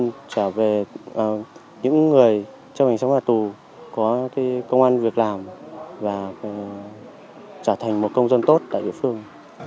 tuy nhiên trở về những người chấp hành xong án phạt tù có công an việc làm và trở thành một công dân tốt tại địa phương